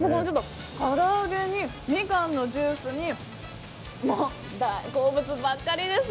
からあげに、みかんのジュースに大好物ばっかりです！